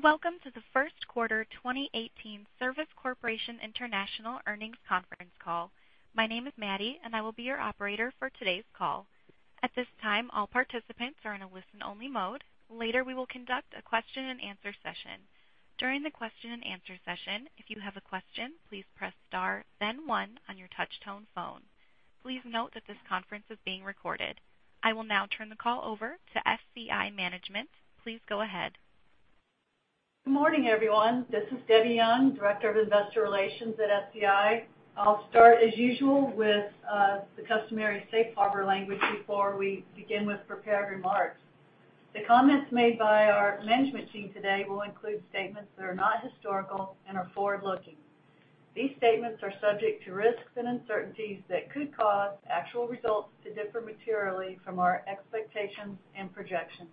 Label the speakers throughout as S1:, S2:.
S1: Welcome to the first quarter 2018 Service Corporation International earnings conference call. My name is Maddie, and I will be your operator for today's call. At this time, all participants are in a listen-only mode. Later, we will conduct a question and answer session. During the question and answer session, if you have a question, please press star then one on your touch-tone phone. Please note that this conference is being recorded. I will now turn the call over to SCI management. Please go ahead.
S2: Good morning, everyone. This is Debbie Young, Director of Investor Relations at SCI. I will start as usual with the customary safe harbor language before we begin with prepared remarks. The comments made by our management team today will include statements that are not historical and are forward-looking. These statements are subject to risks and uncertainties that could cause actual results to differ materially from our expectations and projections.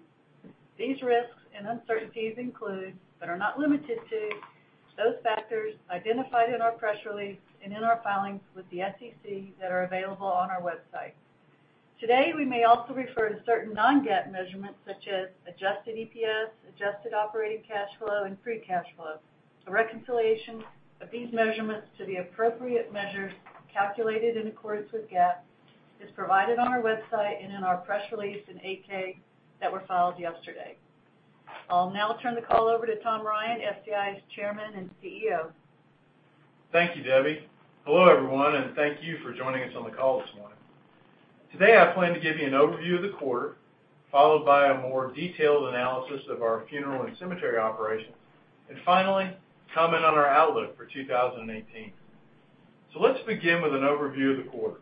S2: These risks and uncertainties include, but are not limited to, those factors identified in our press release and in our filings with the SEC that are available on our website. Today, we may also refer to certain non-GAAP measurements such as adjusted EPS, adjusted operating cash flow, and free cash flow. A reconciliation of these measurements to the appropriate measures calculated in accordance with GAAP is provided on our website and in our press release and 8-K that were filed yesterday. I will now turn the call over to Tom Ryan, SCI's Chairman and CEO.
S3: Thank you, Debbie. Hello, everyone, and thank you for joining us on the call this morning. Today, I plan to give you an overview of the quarter, followed by a more detailed analysis of our funeral and cemetery operations, and finally, comment on our outlook for 2018. Let's begin with an overview of the quarter.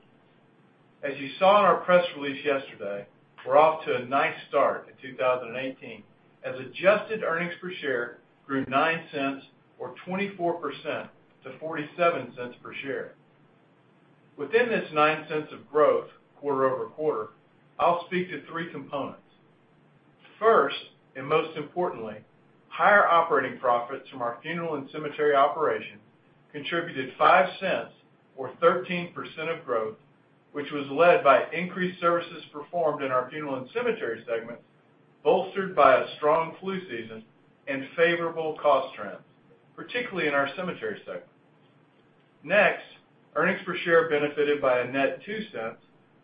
S3: As you saw in our press release yesterday, we are off to a nice start in 2018 as adjusted earnings per share grew $0.09 or 24% to $0.47 per share. Within this $0.09 of growth quarter-over-quarter, I will speak to three components. First, and most importantly, higher operating profits from our funeral and cemetery operation contributed $0.05 or 13% of growth, which was led by increased services performed in our funeral and cemetery segment, bolstered by a strong flu season and favorable cost trends, particularly in our cemetery segment. Next, earnings per share benefited by a net $0.02,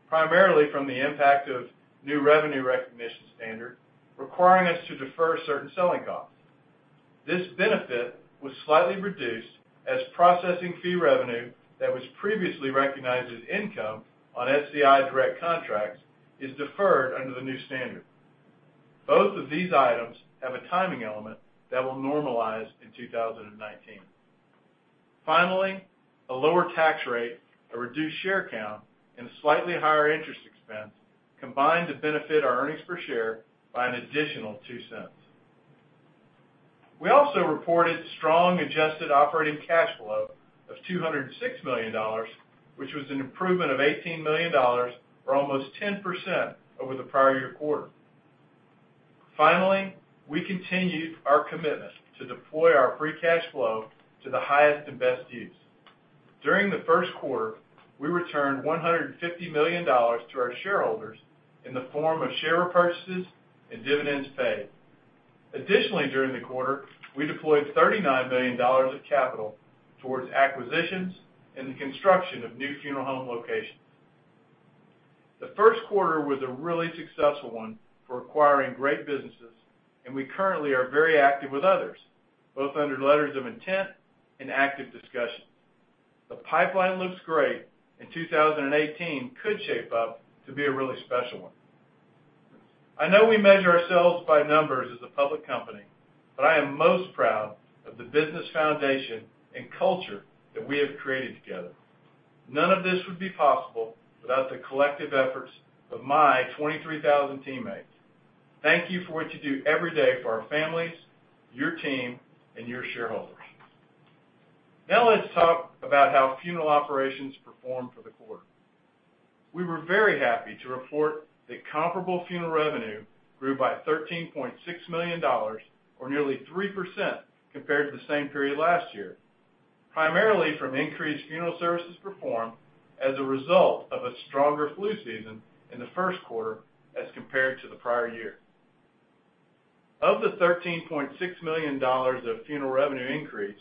S3: primarily from the impact of new revenue recognition standard requiring us to defer certain selling costs. This benefit was slightly reduced as processing fee revenue that was previously recognized as income on SCI Direct contracts is deferred under the new standard. Both of these items have a timing element that will normalize in 2019. Finally, a lower tax rate, a reduced share count, and a slightly higher interest expense combined to benefit our earnings per share by an additional $0.02. We also reported strong adjusted operating cash flow of $206 million, which was an improvement of $18 million or almost 10% over the prior year quarter. Finally, we continued our commitment to deploy our free cash flow to the highest and best use. During the first quarter, we returned $150 million to our shareholders in the form of share purchases and dividends paid. Additionally, during the quarter, we deployed $39 million of capital towards acquisitions and the construction of new funeral home locations. The first quarter was a really successful one for acquiring great businesses, we currently are very active with others, both under letters of intent and active discussions. The pipeline looks great, 2018 could shape up to be a really special one. I know we measure ourselves by numbers as a public company, I am most proud of the business foundation and culture that we have created together. None of this would be possible without the collective efforts of my 23,000 teammates. Thank you for what you do every day for our families, your team, and your shareholders. Now let's talk about how funeral operations performed for the quarter. We were very happy to report that comparable funeral revenue grew by $13.6 million or nearly 3% compared to the same period last year, primarily from increased funeral services performed as a result of a stronger flu season in the first quarter as compared to the prior year. Of the $13.6 million of funeral revenue increase,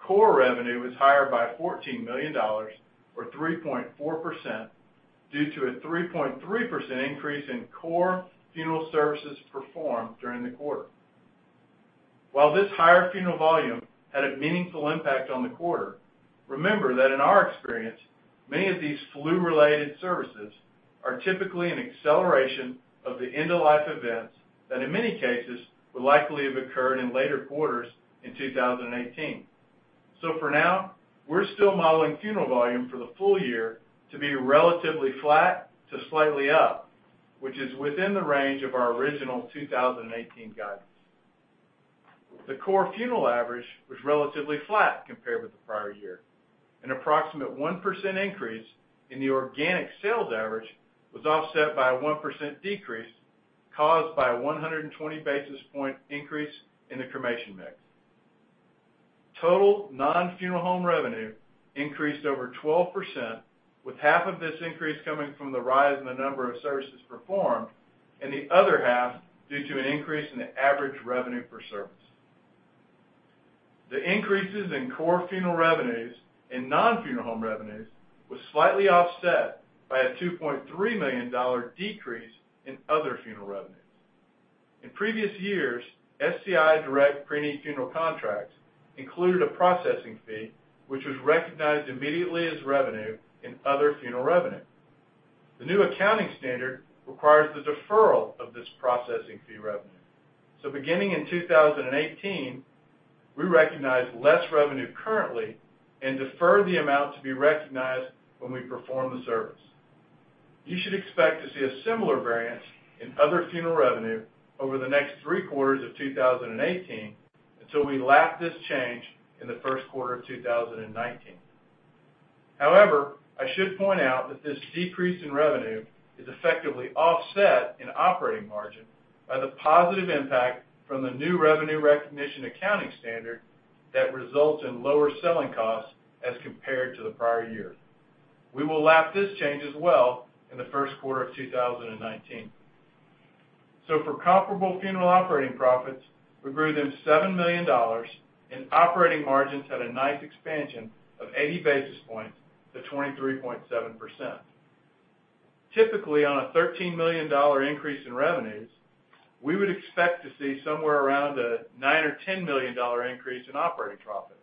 S3: core revenue was higher by $14 million or 3.4% due to a 3.3% increase in core funeral services performed during the quarter. While this higher funeral volume had a meaningful impact on the quarter, remember that in our experience, many of these flu-related services are typically an acceleration of the end-of-life events that in many cases would likely have occurred in later quarters in 2018. For now, we're still modeling funeral volume for the full year to be relatively flat to slightly up, which is within the range of our original 2018 guidance. The core funeral average was relatively flat compared with the prior year. An approximate 1% increase in the organic sales average was offset by a 1% decrease caused by a 120 basis point increase in the cremation mix. Total non-funeral home revenue increased over 12%, with half of this increase coming from the rise in the number of services performed, and the other half due to an increase in the average revenue per service. The increases in core funeral revenues and non-funeral home revenues was slightly offset by a $2.3 million decrease in other funeral revenues. In previous years, SCI Direct pre-need funeral contracts included a processing fee, which was recognized immediately as revenue in other funeral revenue. The new accounting standard requires the deferral of this processing fee revenue. Beginning in 2018, we recognized less revenue currently and deferred the amount to be recognized when we perform the service. You should expect to see a similar variance in other funeral revenue over the next three quarters of 2018 until we lap this change in the first quarter of 2019. I should point out that this decrease in revenue is effectively offset in operating margin by the positive impact from the new revenue recognition accounting standard that results in lower selling costs as compared to the prior year. We will lap this change as well in the first quarter of 2019. For comparable funeral operating profits, we grew them $7 million, and operating margins had a nice expansion of 80 basis points to 23.7%. Typically, on a $13 million increase in revenues, we would expect to see somewhere around a 9 or $10 million increase in operating profits.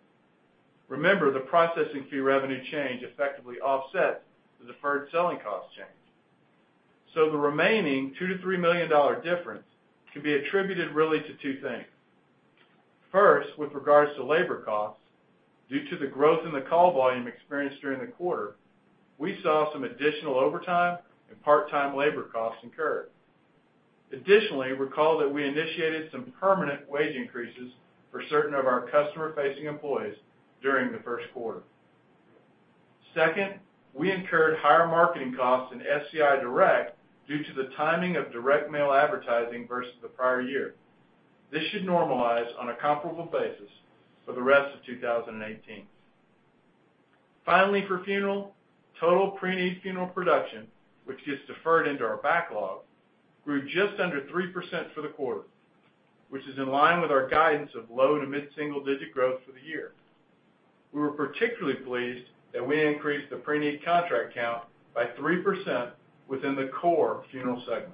S3: Remember, the processing fee revenue change effectively offsets the deferred selling cost change. The remaining two to $3 million difference can be attributed really to two things. First, with regards to labor costs, due to the growth in the call volume experienced during the quarter, we saw some additional overtime and part-time labor costs incurred. Additionally, recall that we initiated some permanent wage increases for certain of our customer-facing employees during the first quarter. Second, we incurred higher marketing costs in SCI Direct due to the timing of direct mail advertising versus the prior year. This should normalize on a comparable basis for the rest of 2018. Finally, for funeral, total pre-need funeral production, which gets deferred into our backlog, grew just under 3% for the quarter, which is in line with our guidance of low to mid-single digit growth for the year. We were particularly pleased that we increased the pre-need contract count by 3% within the core funeral segment.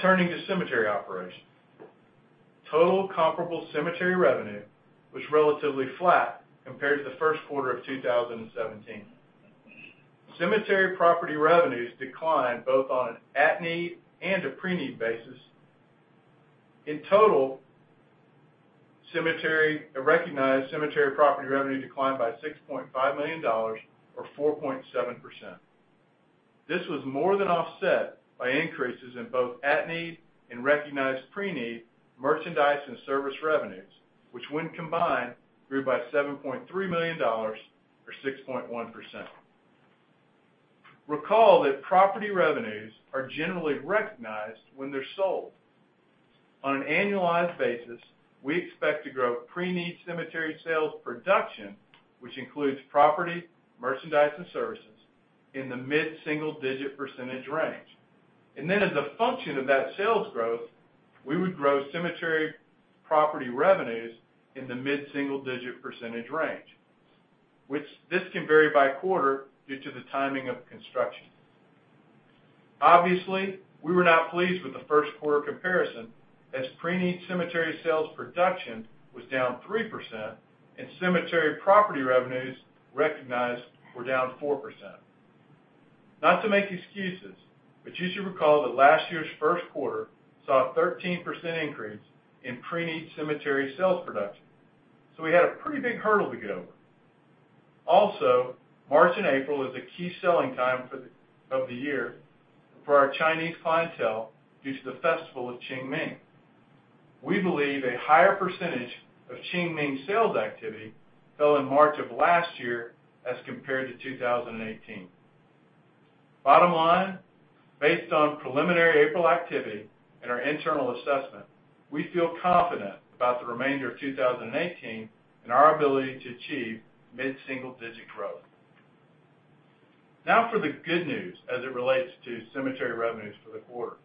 S3: Turning to cemetery operations. Total comparable cemetery revenue was relatively flat compared to the first quarter of 2017. Cemetery property revenues declined both on an at-need and a pre-need basis. In total, recognized cemetery property revenue declined by $6.5 million or 4.7%. This was more than offset by increases in both at-need and recognized pre-need merchandise and service revenues, which when combined, grew by $7.3 million or 6.1%. Recall that property revenues are generally recognized when they're sold. On an annualized basis, we expect to grow pre-need cemetery sales production, which includes property, merchandise, and services, in the mid-single digit percentage range. As a function of that sales growth, we would grow cemetery property revenues in the mid-single digit percentage range. This can vary by quarter due to the timing of construction. Obviously, we were not pleased with the first quarter comparison as pre-need cemetery sales production was down 3%, and cemetery property revenues recognized were down 4%. Not to make excuses, you should recall that last year's first quarter saw a 13% increase in pre-need cemetery sales production. We had a pretty big hurdle to get over. Also, March and April is a key selling time of the year for our Chinese clientele due to the festival of Qingming. We believe a higher percentage of Qingming sales activity fell in March of last year as compared to 2018. Bottom line, based on preliminary April activity and our internal assessment, we feel confident about the remainder of 2018 and our ability to achieve mid-single digit growth. For the good news as it relates to cemetery revenues for the quarter.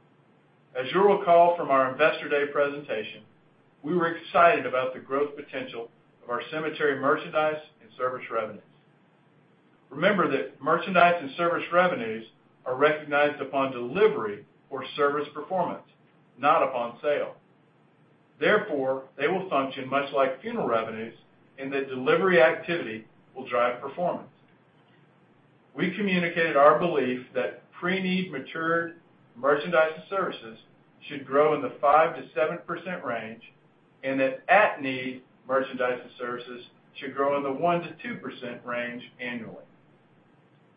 S3: As you'll recall from our Investor Day presentation, we were excited about the growth potential of our cemetery merchandise and service revenues. Remember that merchandise and service revenues are recognized upon delivery or service performance, not upon sale. Therefore, they will function much like funeral revenues in that delivery activity will drive performance. We communicated our belief that pre-need matured merchandise and services should grow in the 5%-7% range, and that at-need merchandise and services should grow in the 1%-2% range annually.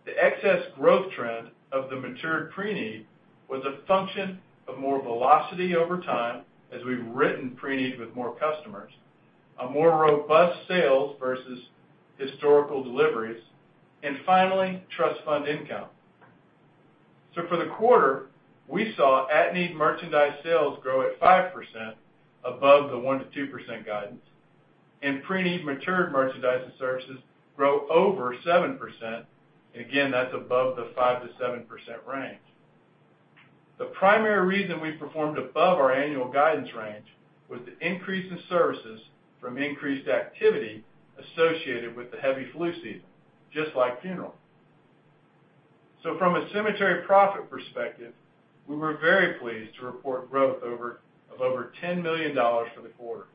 S3: The excess growth trend of the matured pre-need was a function of more velocity over time as we've written pre-need with more customers, a more robust sales versus historical deliveries, and finally, trust fund income. For the quarter, we saw at-need merchandise sales grow at 5% above the 1%-2% guidance, and pre-need matured merchandise and services grow over 7%. Again, that's above the 5%-7% range. The primary reason we performed above our annual guidance range was the increase in services from increased activity associated with the heavy flu season, just like funeral. From a cemetery profit perspective, we were very pleased to report growth of over $10 million for the quarter,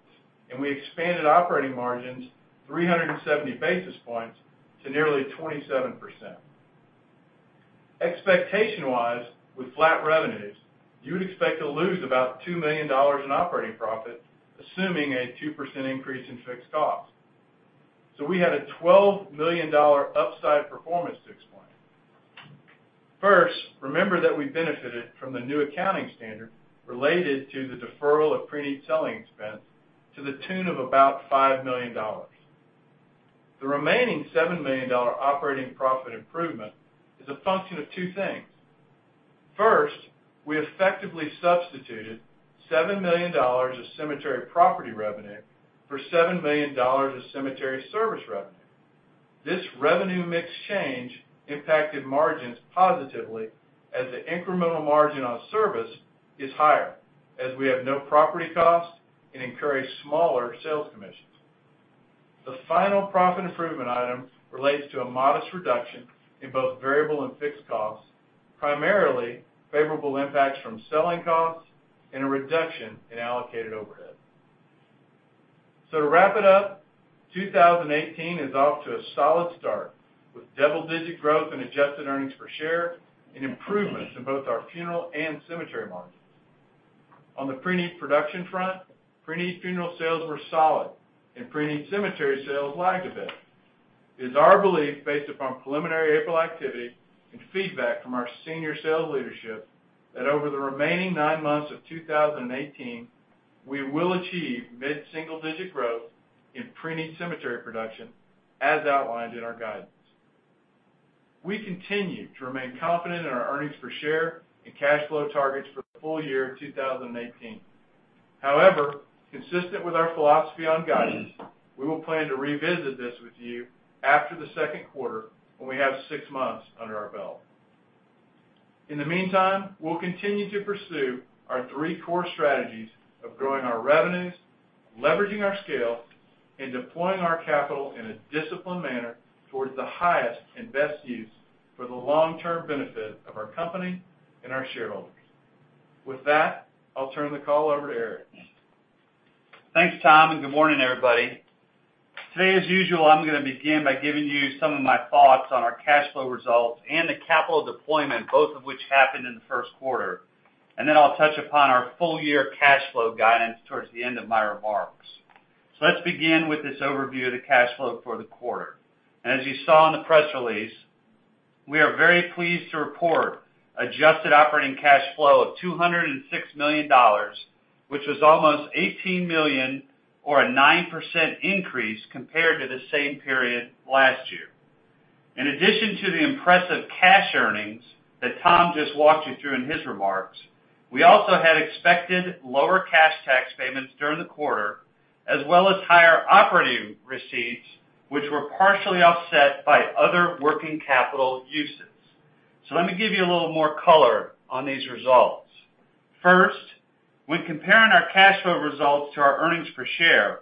S3: and we expanded operating margins 370 basis points to nearly 27%. Expectation-wise, with flat revenues, you would expect to lose about $2 million in operating profit, assuming a 2% increase in fixed costs. We had a $12 million upside performance to explain. First, remember that we benefited from the new accounting standard related to the deferral of pre-need selling expense to the tune of about $5 million. The remaining $7 million operating profit improvement is a function of two things. First, we effectively substituted $7 million of cemetery property revenue for $7 million of cemetery service revenue. This revenue mix change impacted margins positively as the incremental margin on service is higher, as we have no property costs and incur a smaller sales commission. The final profit improvement item relates to a modest reduction in both variable and fixed costs, primarily favorable impacts from selling costs and a reduction in allocated overhead. To wrap it up, 2018 is off to a solid start with double-digit growth in adjusted earnings per share and improvements in both our funeral and cemetery margins. On the pre-need production front, pre-need funeral sales were solid, and pre-need cemetery sales lagged a bit. It is our belief, based upon preliminary April activity and feedback from our senior sales leadership, that over the remaining nine months of 2018, we will achieve mid-single-digit growth in pre-need cemetery production as outlined in our guidance. We continue to remain confident in our earnings per share and cash flow targets for the full year of 2018. However, consistent with our philosophy on guidance, we will plan to revisit this with you after the second quarter when we have six months under our belt. In the meantime, we will continue to pursue our three core strategies of growing our revenues, leveraging our scale, and deploying our capital in a disciplined manner towards the highest and best use for the long-term benefit of our company and our shareholders. With that, I will turn the call over to Eric.
S4: Thanks, Tom, and good morning, everybody. Today, as usual, I am going to begin by giving you some of my thoughts on our cash flow results and the capital deployment, both of which happened in the first quarter, then I will touch upon our full-year cash flow guidance towards the end of my remarks. Let's begin with this overview of the cash flow for the quarter. As you saw in the press release, we are very pleased to report adjusted operating cash flow of $206 million, which was almost $18 million or a 9% increase compared to the same period last year. In addition to the impressive cash earnings that Tom just walked you through in his remarks, we also had expected lower cash tax payments during the quarter as well as higher operating receipts, which were partially offset by other working capital uses. Let me give you a little more color on these results. First, when comparing our cash flow results to our earnings per share,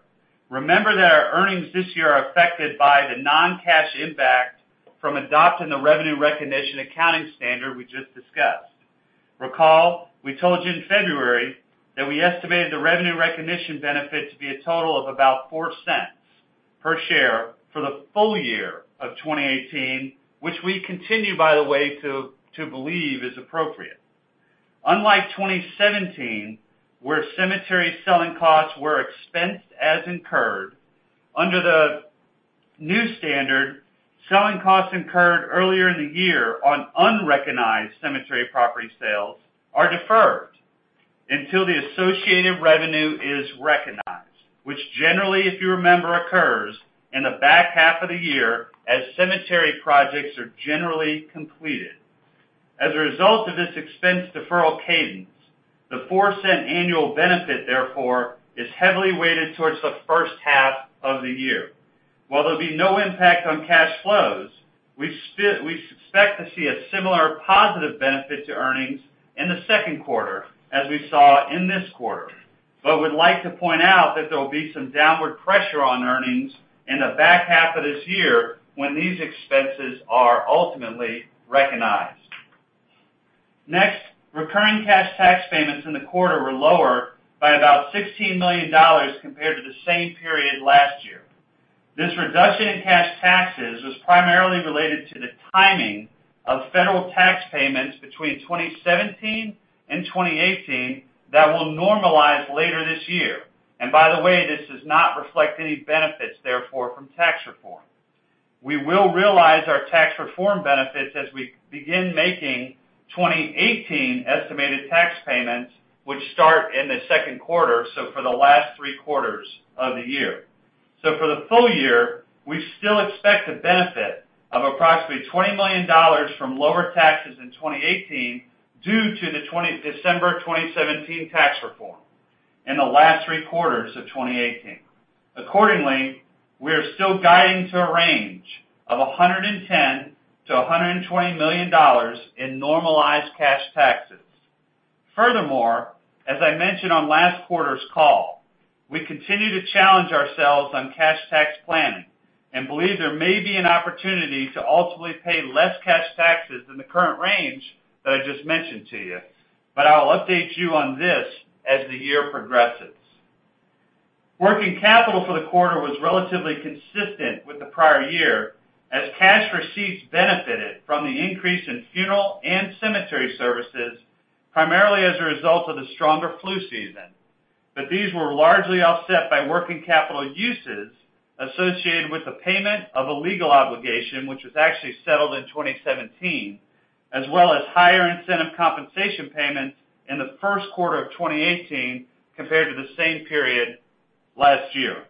S4: remember that our earnings this year are affected by the non-cash impact from adopting the revenue recognition accounting standard we just discussed. Recall, we told you in February that we estimated the revenue recognition benefit to be a total of about $0.04 per share for the full year of 2018, which we continue, by the way, to believe is appropriate. Unlike 2017, where cemetery selling costs were expensed as incurred, under the new standard, selling costs incurred earlier in the year on unrecognized cemetery property sales are deferred until the associated revenue is recognized, which generally, if you remember, occurs in the back half of the year as cemetery projects are generally completed. As a result of this expense deferral cadence, the $0.04 annual benefit, therefore, is heavily weighted towards the first half of the year. While there will be no impact on cash flows, we expect to see a similar positive benefit to earnings in the second quarter as we saw in this quarter. We would like to point out that there will be some downward pressure on earnings in the back half of this year when these expenses are ultimately recognized. Next, recurring cash tax payments in the quarter were lower by about $16 million compared to the same period last year. This reduction in cash taxes was primarily related to the timing of federal tax payments between 2017 and 2018 that will normalize later this year. By the way, this does not reflect any benefits, therefore, from tax reform. We will realize our tax reform benefits as we begin making 2018 estimated tax payments, which start in the second quarter, for the last three quarters of the year. For the full year, we still expect the benefit of approximately $20 million from lower taxes in 2018 due to the December 2017 tax reform in the last three quarters of 2018. Accordingly, we are still guiding to a range of $110 million-$120 million in normalized cash taxes. Furthermore, as I mentioned on last quarter's call, we continue to challenge ourselves on cash planning, and believe there may be an opportunity to ultimately pay less cash taxes than the current range that I just mentioned to you, but I'll update you on this as the year progresses. Working capital for the quarter was relatively consistent with the prior year as cash receipts benefited from the increase in funeral and cemetery services, primarily as a result of the stronger flu season. These were largely offset by working capital uses associated with the payment of a legal obligation, which was actually settled in 2017, as well as higher incentive compensation payments in the first quarter of 2018 compared to the same period last year.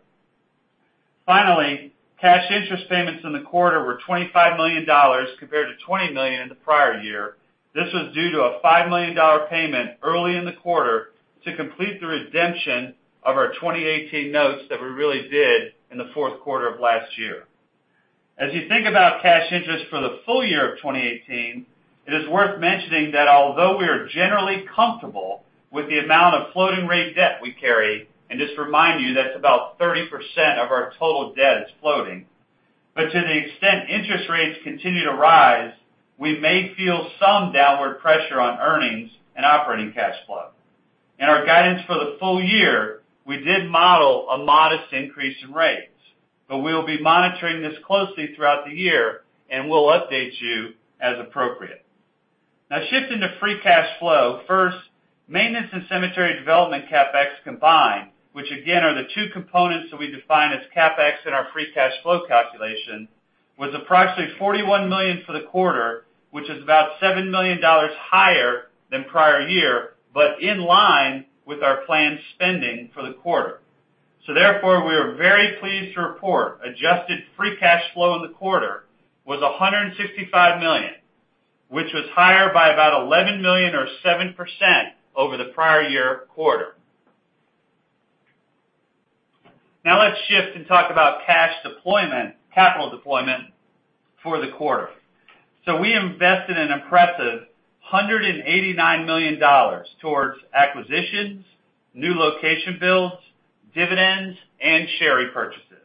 S4: Finally, cash interest payments in the quarter were $25 million compared to $20 million in the prior year. This was due to a $5 million payment early in the quarter to complete the redemption of our 2018 notes that we really did in the fourth quarter of last year. As you think about cash interest for the full year of 2018, it is worth mentioning that although we are generally comfortable with the amount of floating rate debt we carry, and just remind you, that's about 30% of our total debt is floating, to the extent interest rates continue to rise, we may feel some downward pressure on earnings and operating cash flow. In our guidance for the full year, we did model a modest increase in rates, but we'll be monitoring this closely throughout the year, and we'll update you as appropriate. Now shifting to free cash flow. First, maintenance and cemetery development CapEx combined, which again, are the two components that we define as CapEx in our free cash flow calculation, was approximately $41 million for the quarter, which is about $7 million higher than prior year, in line with our planned spending for the quarter. Therefore, we are very pleased to report adjusted free cash flow in the quarter was $165 million, which was higher by about $11 million or 7% over the prior year quarter. Now let's shift and talk about cash deployment, capital deployment for the quarter. We invested an impressive $189 million towards acquisitions, new location builds, dividends, and share repurchases.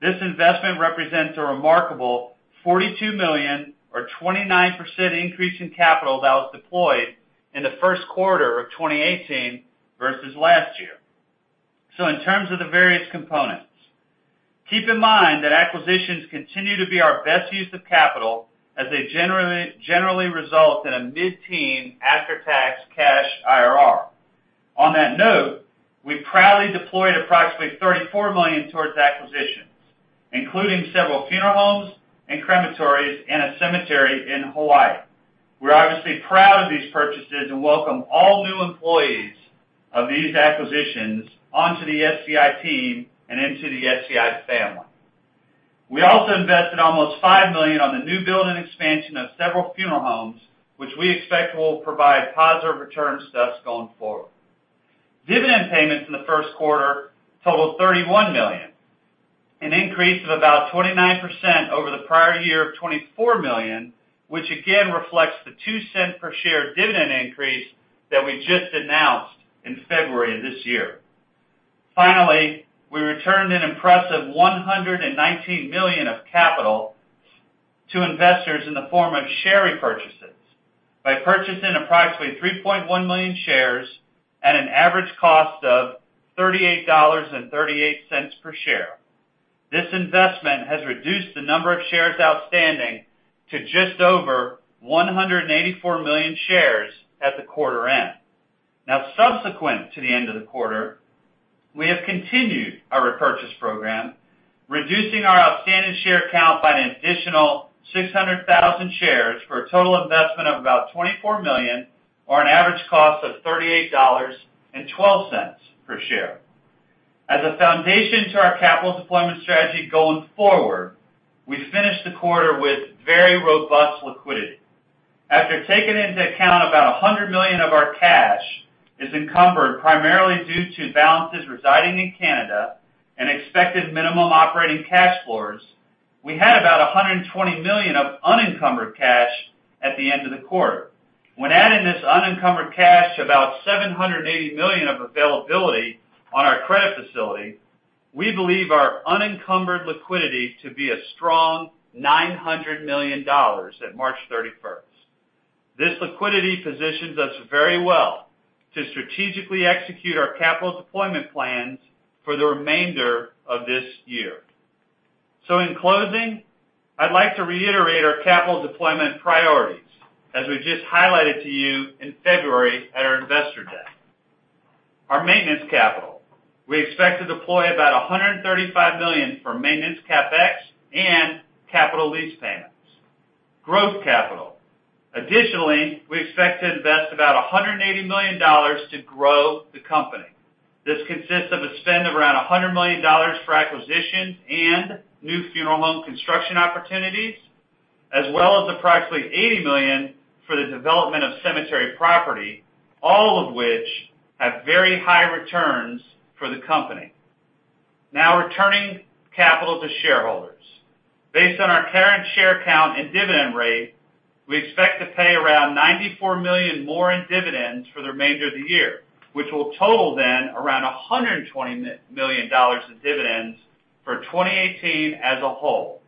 S4: This investment represents a remarkable $42 million or 29% increase in capital that was deployed in the first quarter of 2018 versus last year. In terms of the various components, keep in mind that acquisitions continue to be our best use of capital as they generally result in a mid-teen after-tax cash IRR. On that note, we proudly deployed approximately $34 million towards acquisitions, including several funeral homes and crematories and a cemetery in Hawaii. We are obviously proud of these purchases and welcome all new employees of these acquisitions onto the SCI team and into the SCI family. We also invested almost $5 million on the new build and expansion of several funeral homes, which we expect will provide positive returns to us going forward. Dividend payments in the first quarter totaled $31 million, an increase of about 29% over the prior year of $24 million, which again reflects the $0.02 per share dividend increase that we just announced in February of this year. Finally, we returned an impressive $119 million of capital to investors in the form of share repurchases by purchasing approximately 3.1 million shares at an average cost of $38.38 per share. This investment has reduced the number of shares outstanding to just over 184 million shares at the quarter end. Subsequent to the end of the quarter, we have continued our repurchase program, reducing our outstanding share count by an additional 600,000 shares for a total investment of about $24 million or an average cost of $38.12 per share. As a foundation to our capital deployment strategy going forward, we finished the quarter with very robust liquidity. After taking into account about $100 million of our cash is encumbered primarily due to balances residing in Canada and expected minimum operating cash floors, we had about $120 million of unencumbered cash at the end of the quarter. When adding this unencumbered cash, about $780 million of availability on our credit facility, we believe our unencumbered liquidity to be a strong $900 million at March 31st. This liquidity positions us very well to strategically execute our capital deployment plans for the remainder of this year. In closing, I would like to reiterate our capital deployment priorities as we just highlighted to you in February at our Investor Day. Our maintenance capital, we expect to deploy about $135 million for maintenance CapEx Capital lease payments. Growth capital. Additionally, we expect to invest about $180 million to grow the company. This consists of a spend of around $100 million for acquisitions and new funeral home construction opportunities, as well as approximately $80 million for the development of cemetery property, all of which have very high returns for the company. Returning capital to shareholders. Based on our current share count and dividend rate, we expect to pay around $94 million more in dividends for the remainder of the year, which will total then around $120 million in dividends for 2018 as a whole.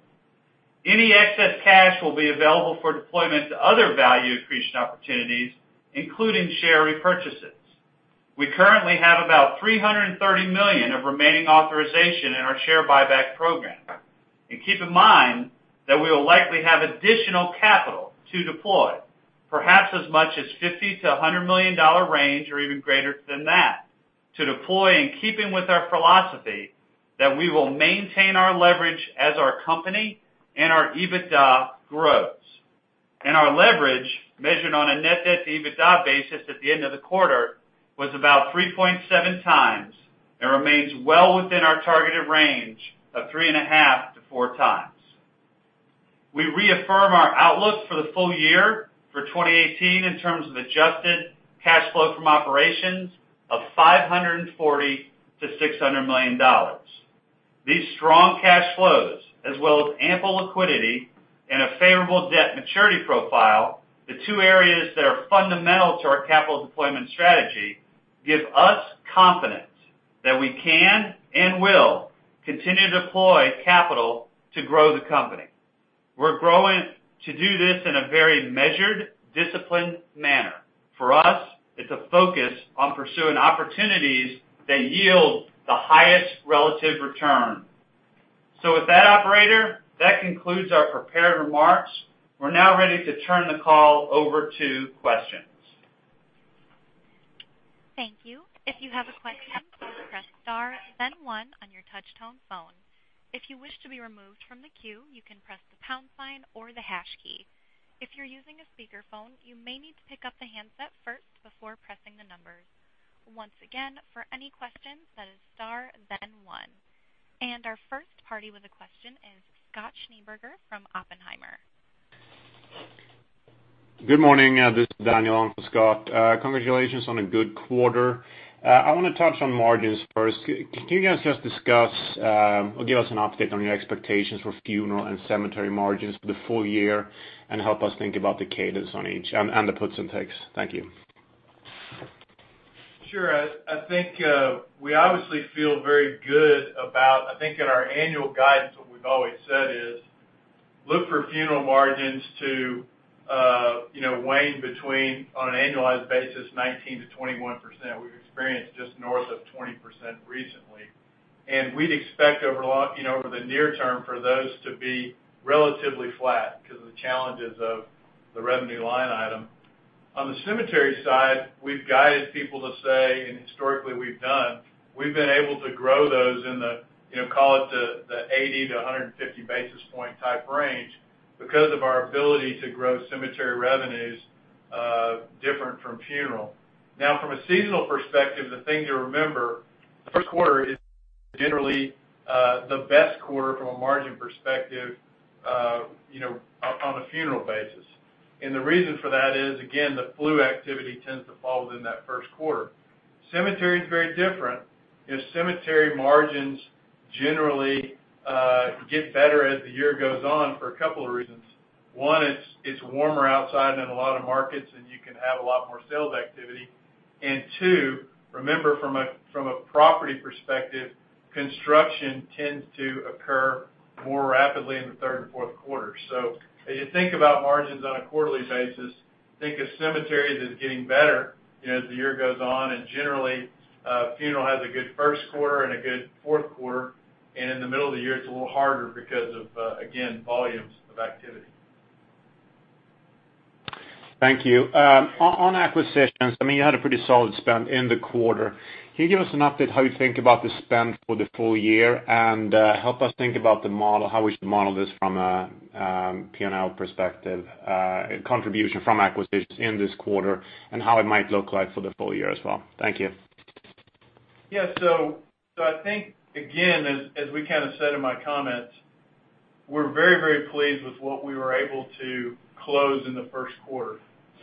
S4: Any excess cash will be available for deployment to other value accretion opportunities, including share repurchases. We currently have about $330 million of remaining authorization in our share buyback program. Keep in mind that we will likely have additional capital to deploy, perhaps as much as $50 million-$100 million range, or even greater than that, to deploy in keeping with our philosophy that we will maintain our leverage as our company and our EBITDA grows. Our leverage, measured on a net debt to EBITDA basis at the end of the quarter, was about 3.7 times and remains well within our targeted range of 3.5 to 4 times. We reaffirm our outlook for the full year 2018 in terms of adjusted operating cash flow of $540 million to $600 million. These strong cash flows, as well as ample liquidity and a favorable debt maturity profile, the two areas that are fundamental to our capital deployment strategy, give us confidence that we can and will continue to deploy capital to grow the company. We're going to do this in a very measured, disciplined manner. For us, it's a focus on pursuing opportunities that yield the highest relative return. With that, operator, that concludes our prepared remarks. We're now ready to turn the call over to questions.
S1: Thank you. If you have a question, please press star then one on your touch-tone phone. If you wish to be removed from the queue, you can press the pound sign or the hash key. If you're using a speakerphone, you may need to pick up the handset first before pressing the numbers. Once again, for any questions, that is star, then one. Our first party with a question is Scott Schneeberger from Oppenheimer.
S5: Good morning. This is Daniel, I'm for Scott. Congratulations on a good quarter. I want to touch on margins first. Can you guys just discuss or give us an update on your expectations for funeral and cemetery margins for the full year and help us think about the cadence on each, and the puts and takes? Thank you.
S4: Sure. I think in our annual guidance, what we've always said is look for funeral margins to wane between, on an annualized basis, 19%-21%. We've experienced just north of 20% recently. We'd expect over the near term for those to be relatively flat because of the challenges of the revenue line item. On the cemetery side, we've guided people to say, and historically we've done, we've been able to grow those in the, call it the 80-150 basis point type range because of our ability to grow cemetery revenues different from funeral. Now, from a seasonal perspective, the thing to remember, first quarter is generally the best quarter from a margin perspective on a funeral basis. The reason for that is, again, the flu activity tends to fall within that first quarter. Cemetery is very different. Cemetery margins generally get better as the year goes on for a couple of reasons. One, it's warmer outside in a lot of markets and you can have a lot more sales activity. Two, remember from a property perspective, construction tends to occur more rapidly in the third and fourth quarters. As you think about margins on a quarterly basis, think of cemetery as it's getting better as the year goes on. Generally, funeral has a good first quarter and a good fourth quarter, and in the middle of the year, it's a little harder because of, again, volumes of activity.
S5: Thank you. On acquisitions, you had a pretty solid spend in the quarter. Can you give us an update how you think about the spend for the full year and help us think about the model? How we should model this from a P&L perspective, contribution from acquisitions in this quarter, and how it might look like for the full year as well? Thank you.
S4: Yeah. I think, again, as we kind of said in my comments, we're very pleased with what we were able to close in the first quarter.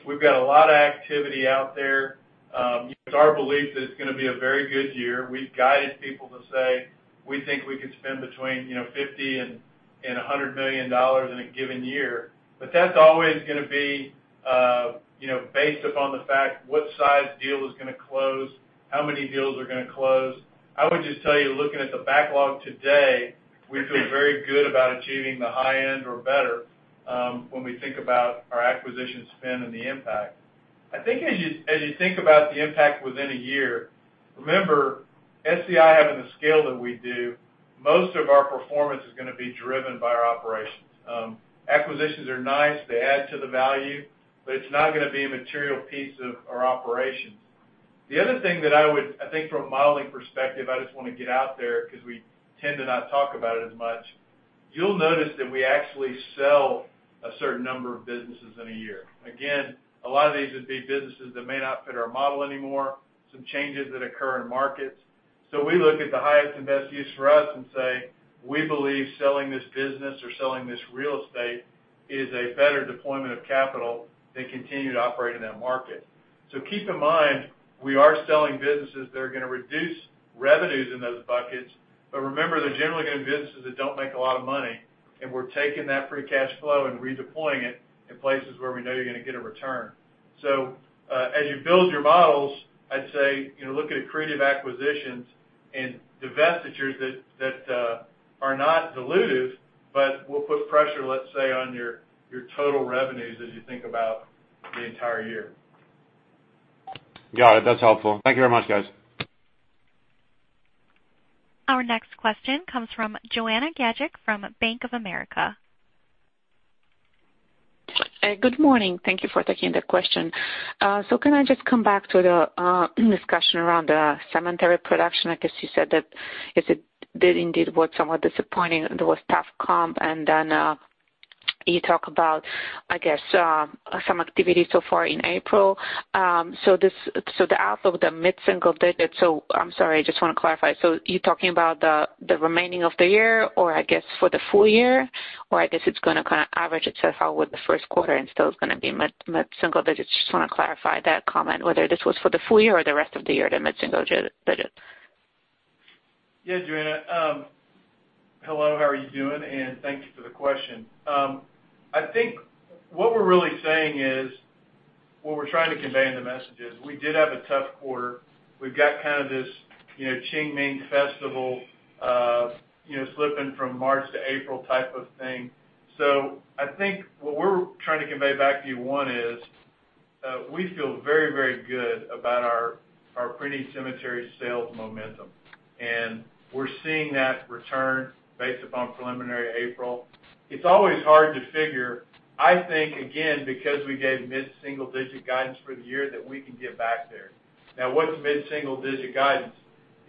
S4: We've got a lot of activity out there. It's our belief that it's going to be a very good year. We've guided people to say, we think we could spend between $50 million-$100 million in a given year. That's always going to be based upon the fact what size deal is going to close, how many deals are going to close. I would just tell you, looking at the backlog today, we feel very good about achieving the high end or better when we think about our acquisition spend and the impact. I think as you think about the impact within a year, remember, SCI having the scale that we do, most of our performance is going to be driven by our operations. Acquisitions are nice. They add to the value. It's not going to be a material piece of our operations
S3: The other thing that I think from a modeling perspective, I just want to get out there because we tend to not talk about it as much. You'll notice that we actually sell a certain number of businesses in a year. Again, a lot of these would be businesses that may not fit our model anymore, some changes that occur in markets. We look at the highest and best use for us and say, we believe selling this business or selling this real estate is a better deployment of capital than continuing to operate in that market. Keep in mind, we are selling businesses that are going to reduce revenues in those buckets, but remember, they're generally going to be businesses that don't make a lot of money, and we're taking that free cash flow and redeploying it in places where we know you're going to get a return. As you build your models, I'd say, look at accretive acquisitions and divestitures that are not dilutive, but will put pressure, let's say, on your total revenues as you think about the entire year.
S5: Got it. That's helpful. Thank you very much, guys.
S1: Our next question comes from Joanna Gajuk from Bank of America.
S6: Good morning. Thank you for taking the question. Can I just come back to the discussion around the cemetery production? You said that it did indeed was somewhat disappointing, there was tough comp, you talk about some activity so far in April. The outlook, the mid-single digit. I'm sorry, I just want to clarify. You're talking about the remaining of the year or for the full year? It's going to kind of average itself out with the first quarter and still is going to be mid-single digits. Just want to clarify that comment, whether this was for the full year or the rest of the year, the mid-single digits.
S3: Yeah, Joanna. Hello, how are you doing, and thank you for the question. I think what we're really saying is, what we're trying to convey in the message is, we did have a tough quarter. We've got kind of this Qingming Festival slipping from March to April type of thing. I think what we're trying to convey back to you, one is, we feel very, very good about our pre-need cemetery sales momentum. We're seeing that return based upon preliminary April. It's always hard to figure. I think, again, because we gave mid-single digit guidance for the year that we can get back there. What's mid-single digit guidance?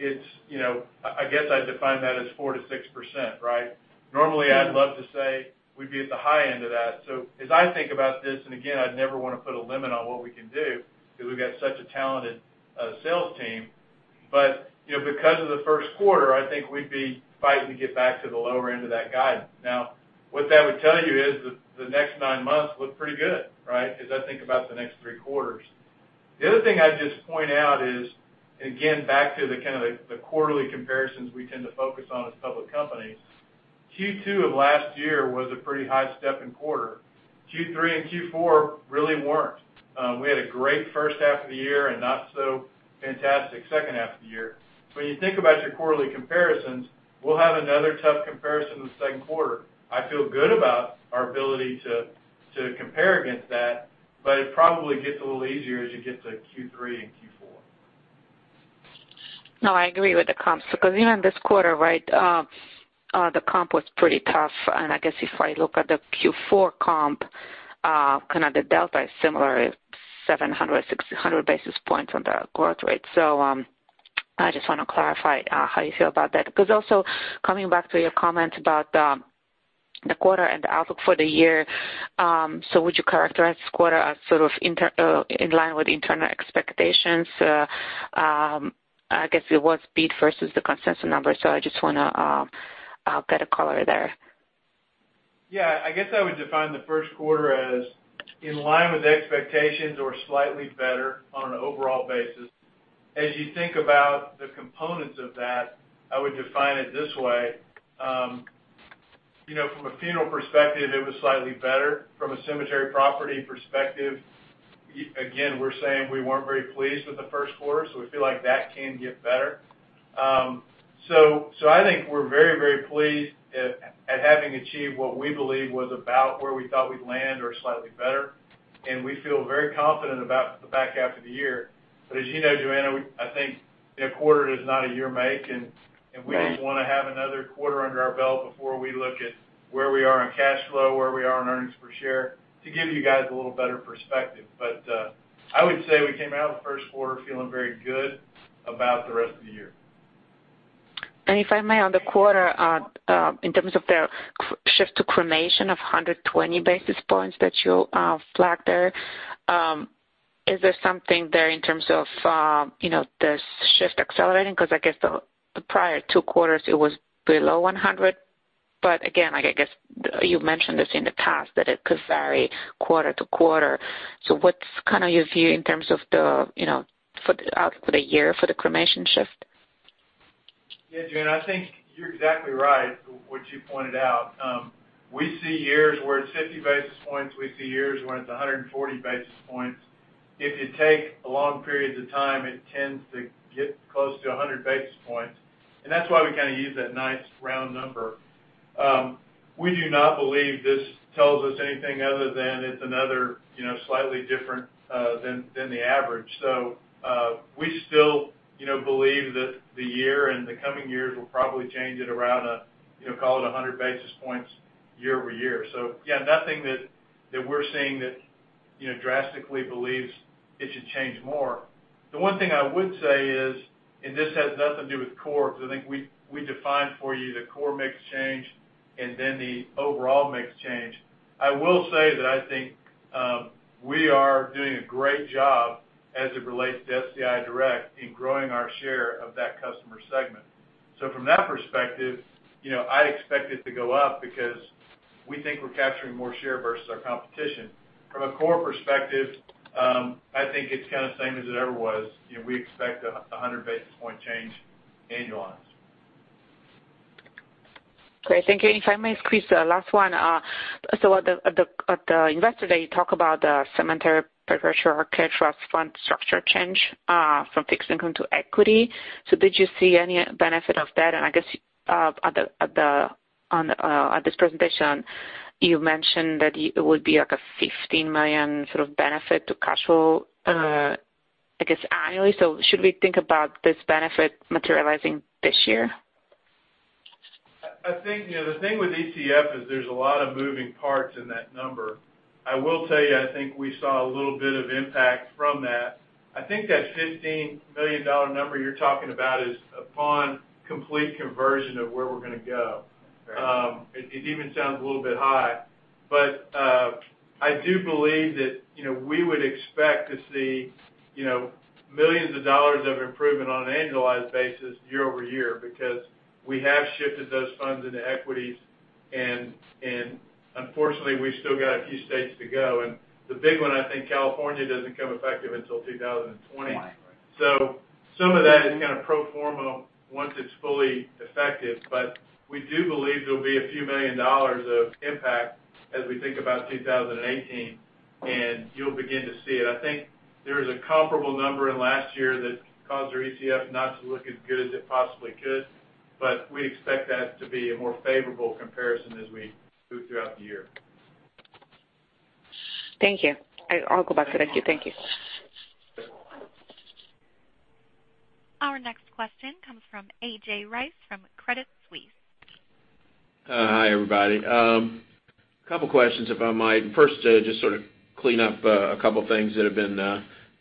S3: I'd define that as 4%-6%, right? Normally, I'd love to say we'd be at the high end of that. As I think about this, and again, I'd never want to put a limit on what we can do because we've got such a talented sales team. Because of the first quarter, I think we'd be fighting to get back to the lower end of that guidance. What that would tell you is the next nine months look pretty good, right? As I think about the next three quarters. The other thing I'd just point out is, and again, back to the kind of the quarterly comparisons we tend to focus on as public companies. Q2 of last year was a pretty high stepping quarter. Q3 and Q4 really weren't. We had a great first half of the year and not so fantastic second half of the year. When you think about your quarterly comparisons, we'll have another tough comparison in the second quarter. I feel good about our ability to compare against that, it probably gets a little easier as you get to Q3 and Q4.
S6: I agree with the comps, because even this quarter, right? The comp was pretty tough. I guess if I look at the Q4 comp, kind of the delta is similar, it's 700, 600 basis points on the growth rate. I just want to clarify how you feel about that. Coming back to your comment about the quarter and the outlook for the year, would you characterize this quarter as sort of in line with internal expectations? I guess it was beat versus the consensus number. I just want to get a color there.
S3: I guess I would define the first quarter as in line with expectations or slightly better on an overall basis. As you think about the components of that, I would define it this way. From a funeral perspective, it was slightly better. From a cemetery property perspective, again, we're saying we weren't very pleased with the first quarter. We feel like that can get better. I think we're very, very pleased at having achieved what we believe was about where we thought we'd land or slightly better. We feel very confident about the back half of the year. As you know, Joanna, I think a quarter does not a year make. We just want to have another quarter under our belt before we look at where we are on cash flow, where we are on earnings per share to give you guys a little better perspective. I would say we came out of the first quarter feeling very good about the rest of the year.
S6: If I may, on the quarter, in terms of the shift to cremation of 120 basis points that you flagged there, is there something there in terms of the shift accelerating? I guess the prior two quarters, it was below 100. Again, I guess you mentioned this in the past, that it could vary quarter to quarter. What's kind of your view in terms of the outlook for the year for the cremation shift?
S3: Joanna, I think you're exactly right with what you pointed out. We see years where it's 50 basis points, we see years where it's 140 basis points. If you take long periods of time, it tends to get close to 100 basis points. That's why we kind of use that nice round number. We do not believe this tells us anything other than it's another slightly different than the average. We still believe that the year and the coming years will probably change at around, call it 100 basis points year-over-year. Yeah, nothing that we're seeing that drastically believes it should change more. The one thing I would say is, and this has nothing to do with core, because I think we defined for you the core mix change and then the overall mix change. I will say that I think we are doing a great job as it relates to SCI Direct in growing our share of that customer segment. From that perspective, I expect it to go up because we think we're capturing more share versus our competition. From a core perspective, I think it's kind of the same as it ever was. We expect 100 basis point change annualized.
S6: Great. Thank you. If I may, Chris, last one. At the Investor Day, you talked about the cemetery pre-purchase trust fund structure change from fixed income to equity. Did you see any benefit of that? I guess, at this presentation, you mentioned that it would be like a $15 million sort of benefit to cash flow, I guess, annually. Should we think about this benefit materializing this year?
S3: I think, the thing with ETF is there's a lot of moving parts in that number. I will tell you, I think we saw a little bit of impact from that. I think that $15 million number you're talking about is upon complete conversion of where we're going to go. It even sounds a little bit high. I do believe that we would expect to see millions of dollars of improvement on an annualized basis year-over-year because we have shifted those funds into equities, and unfortunately, we've still got a few states to go. The big one, I think California doesn't come effective until 2020. Some of that is kind of pro forma once it's fully effective. We do believe there'll be a few million dollars of impact as we think about 2018, and you'll begin to see it. I think there is a comparable number in last year that caused our ETF not to look as good as it possibly could, but we expect that to be a more favorable comparison as we move throughout the year.
S6: Thank you. I'll go back to thank you. Thank you.
S1: Our next question comes from A.J. Rice from Credit Suisse.
S7: Hi, everybody. A couple questions, if I might. First, just sort of clean up a couple things that have been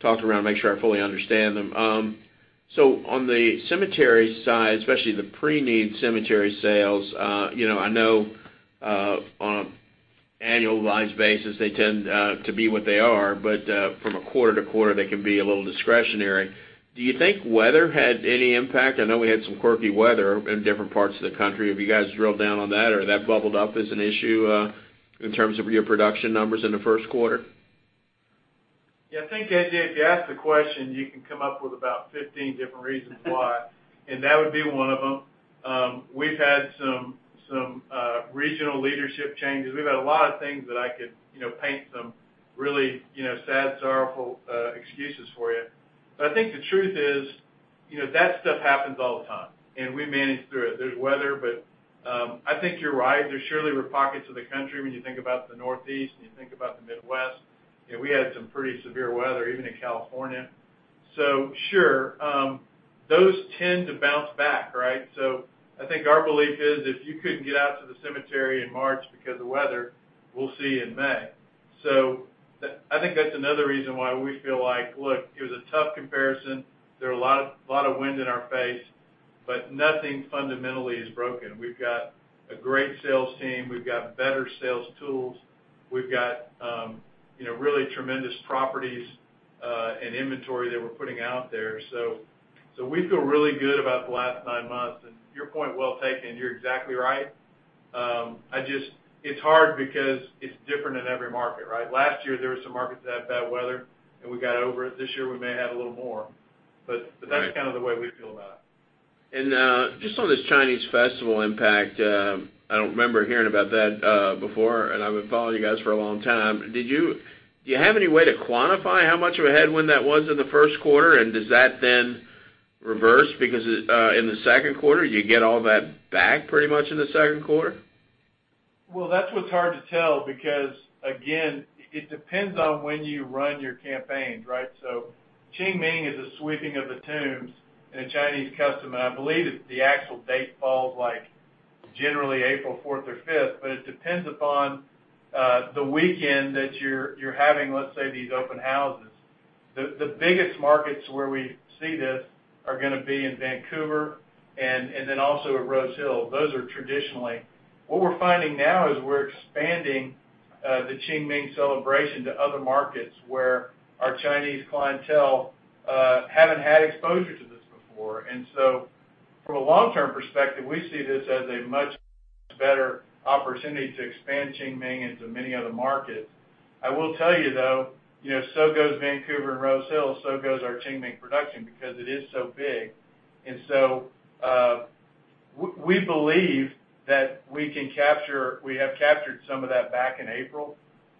S7: talked around, make sure I fully understand them. On the cemetery side, especially the pre-need cemetery sales, I know on an annualized basis, they tend to be what they are. From a quarter to quarter, they can be a little discretionary. Do you think weather had any impact? I know we had some quirky weather in different parts of the country. Have you guys drilled down on that, or that bubbled up as an issue in terms of your production numbers in the first quarter?
S3: I think, A.J., if you ask the question, you can come up with about 15 different reasons why, and that would be one of them. We've had some regional leadership changes. We've had a lot of things that I could paint some really sad, sorrowful excuses for you. I think the truth is, that stuff happens all the time, and we manage through it. There's weather, but I think you're right. There surely were pockets of the country when you think about the Northeast, and you think about the Midwest, we had some pretty severe weather, even in California. Sure those tend to bounce back, right? I think our belief is if you couldn't get out to the cemetery in March because of weather, we'll see you in May. I think that's another reason why we feel like, look, it was a tough comparison. There are a lot of wind in our face, but nothing fundamentally is broken. We've got a great sales team. We've got better sales tools. We've got really tremendous properties and inventory that we're putting out there. We feel really good about the last nine months, and your point well taken. You're exactly right. It's hard because it's different in every market, right? Last year, there were some markets that had bad weather, and we got over it. This year, we may have a little more. That's kind of the way we feel about it.
S7: Just on this Chinese festival impact, I don't remember hearing about that before, and I've been following you guys for a long time. Do you have any way to quantify how much of a headwind that was in the first quarter? Does that then reverse because in the second quarter, you get all that back pretty much in the second quarter?
S3: That's what's hard to tell because, again, it depends on when you run your campaigns, right? Qingming is a sweeping of the tombs in a Chinese custom, and I believe the actual date falls like generally April 4th or 5th. It depends upon the weekend that you're having, let's say, these open houses. The biggest markets where we see this are going to be in Vancouver and then also at Rose Hill. Those are traditionally. What we're finding now is we're expanding the Qingming celebration to other markets where our Chinese clientele haven't had exposure to this before. From a long-term perspective, we see this as a much better opportunity to expand Qingming into many other markets. I will tell you, though, so goes Vancouver and Rose Hill, so goes our Qingming production because it is so big. We believe that we have captured some of that back in April.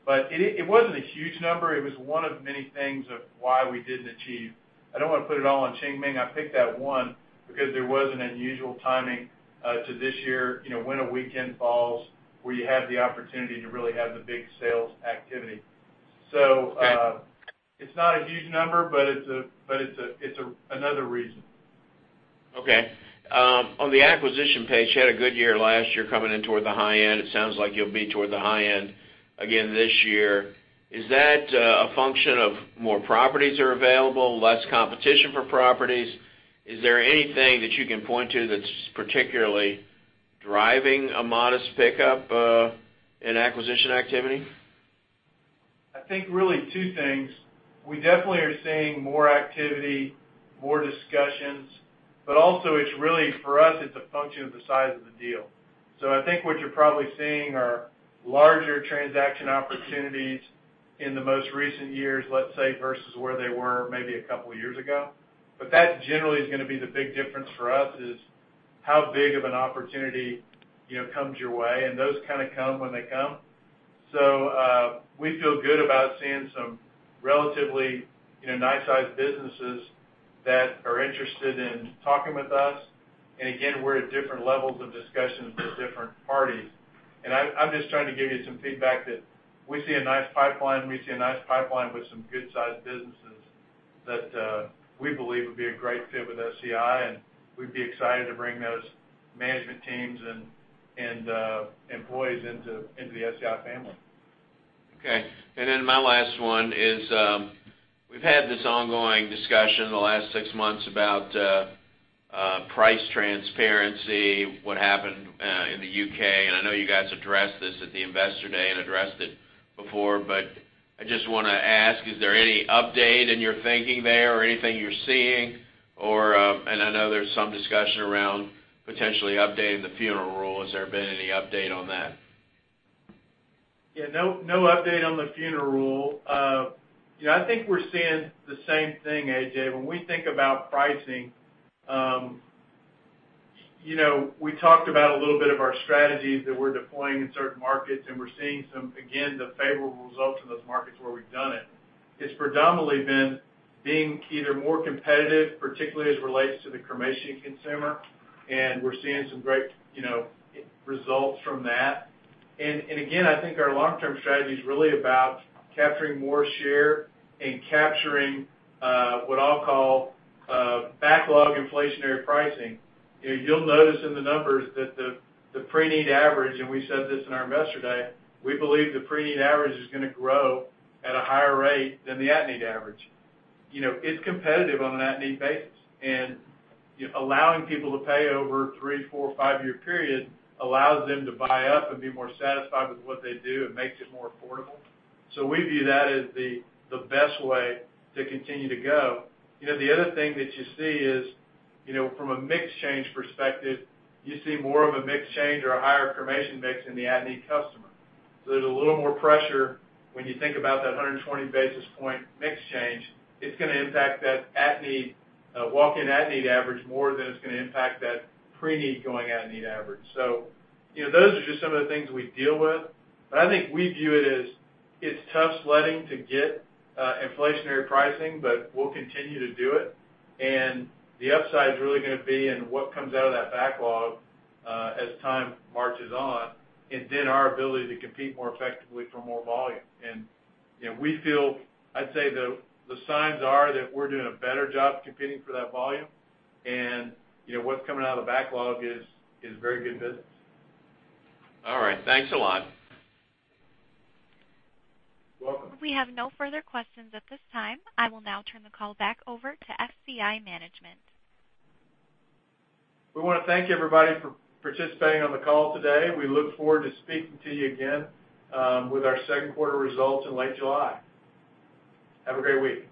S3: It wasn't a huge number. It was one of many things of why we didn't achieve. I don't want to put it all on Qingming. I picked that one because there was an unusual timing to this year, when a weekend falls where you have the opportunity to really have the big sales activity. It's not a huge number, but it's another reason.
S7: Okay. On the acquisition pace, you had a good year last year coming in toward the high end. It sounds like you'll be toward the high end again this year. Is that a function of more properties are available, less competition for properties? Is there anything that you can point to that's particularly driving a modest pickup in acquisition activity?
S3: I think really two things. We definitely are seeing more activity, more discussions, but also it's really, for us, it's a function of the size of the deal. I think what you're probably seeing are larger transaction opportunities in the most recent years, let's say, versus where they were maybe a couple of years ago. That generally is going to be the big difference for us is how big of an opportunity comes your way, and those kind of come when they come. We feel good about seeing some relatively nice-sized businesses that are interested in talking with us. We're at different levels of discussions with different parties. I'm just trying to give you some feedback that we see a nice pipeline, we see a nice pipeline with some good-sized businesses that we believe would be a great fit with SCI, and we'd be excited to bring those management teams and employees into the SCI family.
S7: Okay. My last one is, we've had this ongoing discussion in the last six months about price transparency, what happened in the U.K., and I know you guys addressed this at the Investor Day and addressed it before, but I just want to ask, is there any update in your thinking there or anything you're seeing? I know there's some discussion around potentially updating the Funeral Rule. Has there been any update on that?
S3: Yeah. No update on the Funeral Rule. I think we're seeing the same thing, AJ. When we think about pricing, we talked about a little bit of our strategies that we're deploying in certain markets, and we're seeing some, again, the favorable results in those markets where we've done it. It's predominantly been being either more competitive, particularly as it relates to the cremation consumer, and we're seeing some great results from that. I think our long-term strategy is really about capturing more share and capturing, what I'll call, backlog inflationary pricing. You'll notice in the numbers that the pre-need average, and we said this in our Investor Day, we believe the pre-need average is going to grow at a higher rate than the at-need average. It's competitive on an at-need basis, and allowing people to pay over three, four, five-year period allows them to buy up and be more satisfied with what they do and makes it more affordable. We view that as the best way to continue to go. The other thing that you see is, from a mix change perspective, you see more of a mix change or a higher cremation mix in the at-need customer. There's a little more pressure when you think about that 120 basis point mix change. It's going to impact that walk-in at-need average more than it's going to impact that pre-need going at-need average. Those are just some of the things we deal with. I think we view it as, it's tough sledding to get inflationary pricing, but we'll continue to do it. The upside is really going to be in what comes out of that backlog, as time marches on, and then our ability to compete more effectively for more volume. We feel, I'd say the signs are that we're doing a better job competing for that volume. What's coming out of backlog is very good business.
S7: All right. Thanks a lot.
S3: You're welcome.
S1: We have no further questions at this time. I will now turn the call back over to SCI management.
S3: We want to thank everybody for participating on the call today. We look forward to speaking to you again with our second quarter results in late July. Have a great week.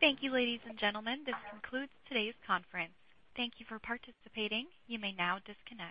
S1: Thank you, ladies and gentlemen. This concludes today's conference. Thank you for participating. You may now disconnect.